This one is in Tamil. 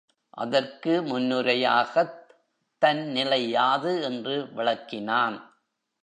அதற்கு முன்னுரையாகத் தன் நிலை யாது என்று விளக்கினான்.